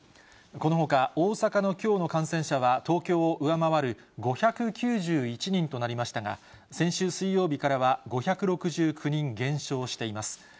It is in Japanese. このほか、大阪のきょうの感染者は東京を上回る５９１人となりましたが、先週水曜日からは５６９人減少しています。